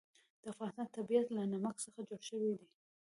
د افغانستان طبیعت له نمک څخه جوړ شوی دی.